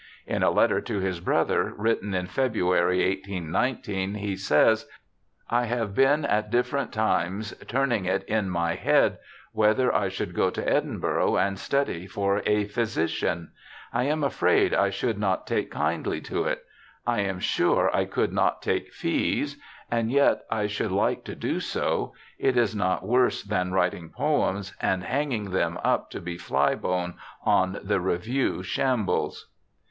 In a letter to his brother, written in February, 1819, he says, ' I have been at different times turning it in my head whether I should go to Edinburgh and study for a physician ; I am afraid I should not take kindly to it ; I am sure I could not take fees— and yet I should like to do so ; it is not worse than writing poems and hang [ JOHN KEATS 47 ing them up to be fly blown on the Review shambles.'